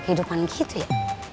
kehidupan gitu ya